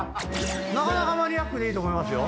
なかなかマニアックでいいと思いますよ。